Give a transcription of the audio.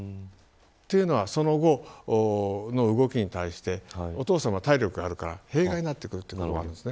というのはその後の動きに対してお父さまは体力があるから弊害になってくる可能性があるわけです。